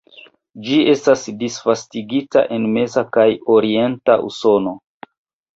Ĝi estas disvastigita en meza kaj orienta Usono.